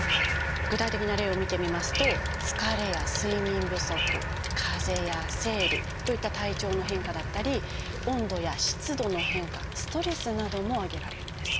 具体的な例を見てみますと「疲れ」や「睡眠不足」「かぜ」や「生理」といった体調の変化だったり「温度や湿度の変化」「ストレス」なども挙げられるんです。